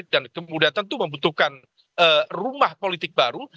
dan kemudian tentu membutuhkan rumah politik baru